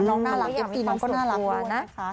น้องน่ารักเอฟตีน้องก็น่ารัก